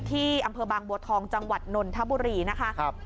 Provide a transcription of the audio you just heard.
ที่อำเภอบางบัวทองจังหวัดนนทบุรีนะคะ